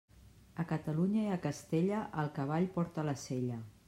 A Catalunya i a Castella, el cavall porta la sella.